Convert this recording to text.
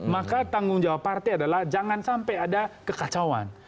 maka tanggung jawab partai adalah jangan sampai ada kekacauan